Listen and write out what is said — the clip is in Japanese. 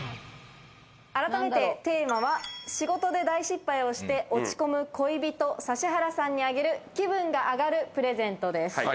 改めてテーマは、仕事で大失敗をして落ち込む恋人・指原さんにあげる気分が上がるプレゼントです。